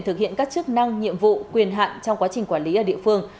thực hiện các chức năng nhiệm vụ quyền hạn trong quá trình quản lý ở địa phương